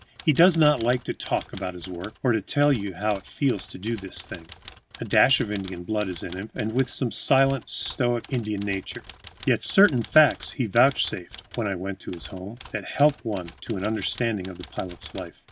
He does not like to talk about his work or tell you how it feels to do this thing. A dash of Indian blood is in him, with some of the silent, stoic, Indian nature. Yet certain facts he vouchsafed, when I went to his home, that help one to an understanding of the pilot's life.